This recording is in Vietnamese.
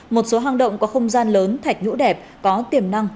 một số hang động có không gian lớn thạch nhũ đẹp có tiềm năng